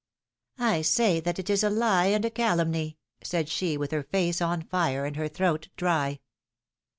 I say that it is a lie and a calumny,^^ said she, with her face on fire, and her throat dry.